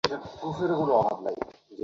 সে কী চায়, খুঁজে বের করি।